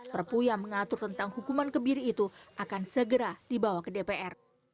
perpu yang mengatur tentang hukuman kebiri itu akan segera dibawa ke dpr